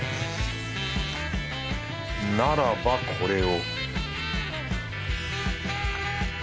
ならばこれを